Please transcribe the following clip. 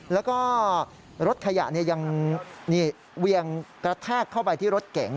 แล้วก็รถขยะยังเวียงกระแทกเข้าไปที่รถเก๋ง